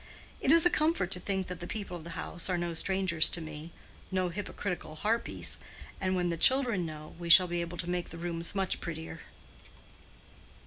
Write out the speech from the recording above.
"It is a comfort to think that the people of the house are no strangers to me—no hypocritical harpies. And when the children know, we shall be able to make the rooms much prettier."